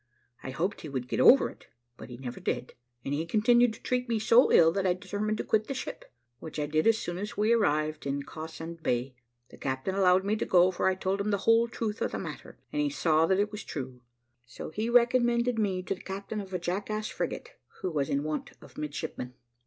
I hoped he would get over it, but he never did; and he continued to treat me so ill, that I determined to quit the ship, which I did as soon as we arrived in Cawsand Bay. The captain allowed me to go, for I told him the whole truth of the matter, and he saw that it was true; so he recommended me to the captain of a jackass frigate, who was in want of midshipmen."